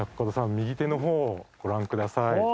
右手の方をご覧ください。